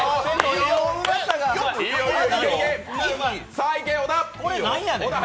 さあいけ、小田！